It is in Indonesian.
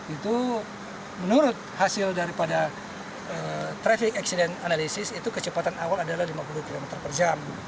itu menurut hasil daripada traffic accident analysis itu kecepatan awal adalah lima puluh km per jam